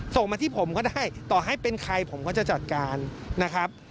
ส่งมาที่ผมก็ได้ต่อให้เป็นใครผมก็จะจัดการนะครับ